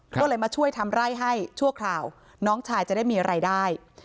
ก็เลยมาช่วยทำไร่ให้ชั่วคราวน้องชายจะได้มีรายได้